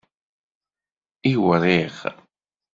Iwriɣ.